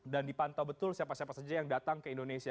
dan dipantau betul siapa siapa saja yang datang ke indonesia